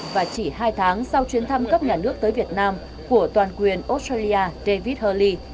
và chỉ hai tháng sau chuyến thăm các nhà nước tới việt nam của toàn quyền australia david hurley